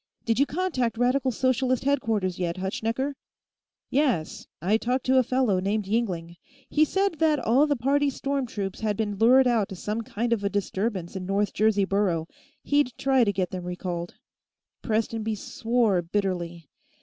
Did you contact Radical Socialist headquarters, yet, Hutschnecker?" "Yes. I talked to a fellow named Yingling. He said that all the party storm troops had been lured out to some kind of a disturbance in North Jersey Borough; he'd try to get them recalled." Prestonby swore bitterly.